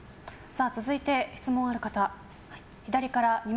続いて、質問ある方。